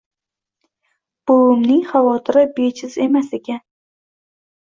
Buvimning xavotiri bejiz emas ekan